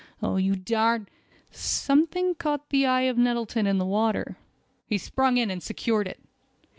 Oh, you darn—" Something caught the eye of Nettleton in the water. He sprung in and secured it.